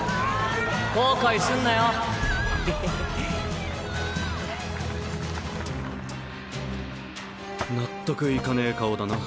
後悔すんなよ納得いかねえ顔だな。